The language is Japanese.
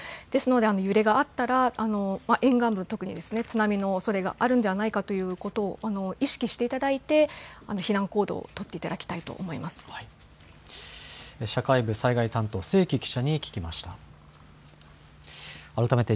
ですので、揺れがあったら、沿岸部、特にですね、津波のおそれがあるんではないかということを意識していただいて、避難行動を取っていただき社会部災害担当、清木記者に聞きました。